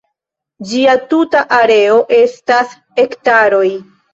Ĝia tuta areo estas hektaroj.